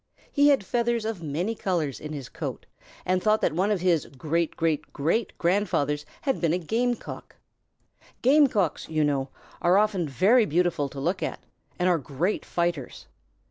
He had feathers of many colors in his coat, and thought that one of his great great great grandfathers had been a Game Cock. Game Cocks, you know, are often very beautiful to look at, and are great fighters.